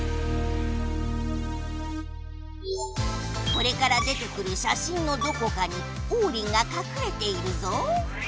これから出てくる写真のどこかにオウリンがかくれているぞ。